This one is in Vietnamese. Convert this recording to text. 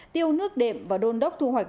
tiêu nước đệm và đôn đốc thu hoạch